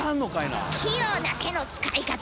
器用な手の使い方！